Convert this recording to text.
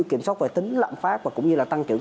kiểm soát về tính lạm phát và cũng như là tăng trưởng